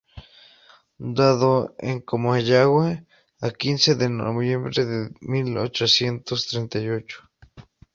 Dado en Comayagua a quince de noviembre de mil ochocientos treinta y ocho.